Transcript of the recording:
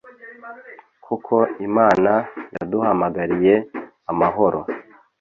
kuko imana yaduhamagariye amahoro